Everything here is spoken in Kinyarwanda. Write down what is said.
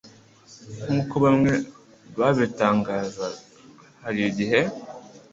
Nkuko bamwe babitangaza hari igihe